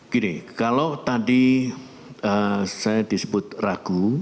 gini kalau tadi saya disebut ragu